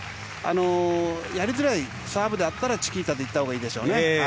やりづらいサーブならチキータでいったほうがいいでしょうね。